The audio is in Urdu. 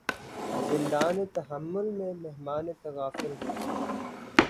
زندانِ تحمل میں مہمانِ تغافل ہیں